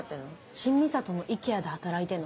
新三郷のＩＫＥＡで働いてんの。